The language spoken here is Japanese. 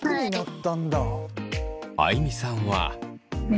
あいみさんは。